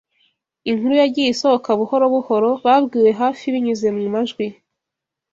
inkuru yagiye isohoka buhoro buhoro, babwiwe hafi binyuze mu majwi